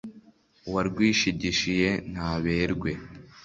uwarwishigishiye naberwe